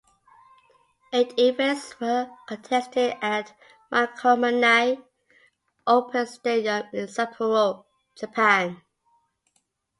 Eight events were contested at Makomanai Open Stadium in Sapporo, Japan.